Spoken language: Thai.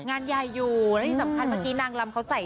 งานใหญ่อยู่แล้วที่สำคัญ